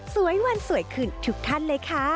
สวยวันสวยคืนทุกขั้นเลยค่ะ